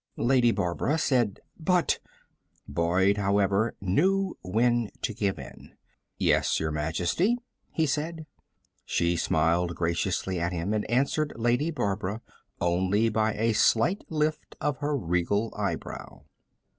Lady Barbara said: "But " Boyd, however, knew when to give in. "Yes, Your Majesty," he said. She smiled graciously at him, and answered Lady Barbara only by a slight lift of her regal eyebrow.